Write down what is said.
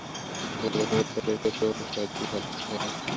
ভোরবেলায় নদীর পাড়ের একটি ছোট শহর দেখতে ভালো লাগছে, এই যা!